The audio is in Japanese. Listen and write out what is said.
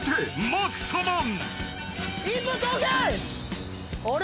マッサマン。